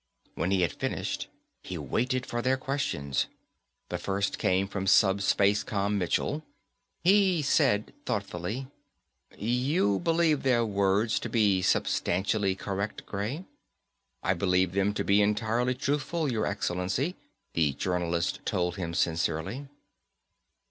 When he had finished, he waited for their questions. The first came from SupSpaceCom Michell. He said, thoughtfully, "You believe their words to be substantially correct, Gray?" "I believe them to be entirely truthful, your excellency," the journalist told him sincerely.